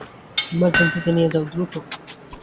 ইমার্জেন্সিতে নিয়ে যাও দ্রুত!